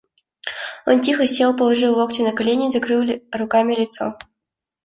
Он тихо сел, положил локти на колени и закрыл руками лицо.